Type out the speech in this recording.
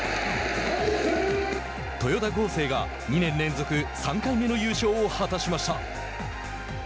豊田合成が２年連続３回目の優勝を果たしました。